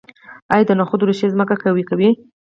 آیا د نخودو ریښې ځمکه قوي کوي؟